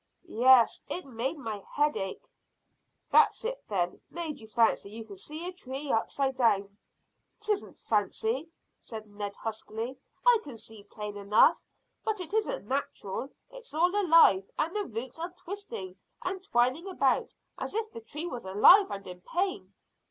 "Yes, it made my head ache." "That's it, then. Made you fancy you can see a tree upside down." "'Tisn't fancy," said Ned huskily. "I can see plain enough, but it isn't natural. It's all alive, and the roots are twisting and twining about as if the tree was alive and in pain."